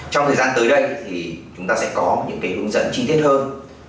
trong thời gian tới đây thì chúng ta sẽ có những hướng dẫn chi tiết hơn